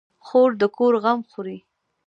خور د کور غم خوري.